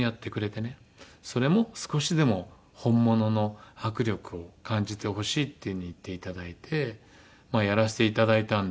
それも少しでも本物の迫力を感じてほしいっていうふうに言っていただいてやらせていただいたんで。